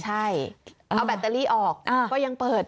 ใช่เอาแบตเตอรี่ออกก็ยังเปิด